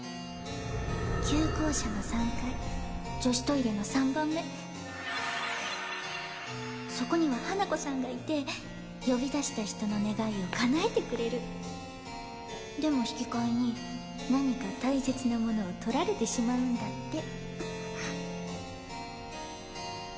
旧校舎の３階女子トイレの３番目そこには花子さんがいて呼び出した人の願いを叶えてくれるでも引き換えに何か大切なものを取られてしまうんだって・